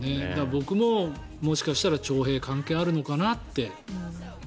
僕も、もしかしたら徴兵が関係あるのかなって。